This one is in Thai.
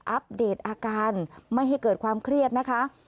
อัปเดตอาการไม่ให้เกิดความเครียดนะคะ